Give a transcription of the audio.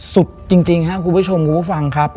จริงครับคุณผู้ชมคุณผู้ฟังครับ